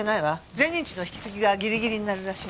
前任地の引き継ぎがギリギリになるらしいの。